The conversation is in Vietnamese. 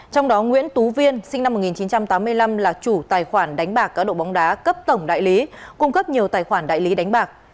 trong đó nguyễn tú viên sinh năm một nghìn chín trăm tám mươi năm là chủ tài khoản đánh bạc cá độ bóng đá cấp tổng đại lý cung cấp nhiều tài khoản đại lý đánh bạc